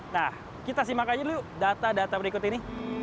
nah kita simak aja dulu data data berikut ini